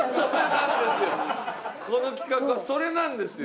この企画はそれなんですよ。